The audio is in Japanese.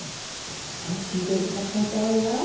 天つゆで頂きたいと思います。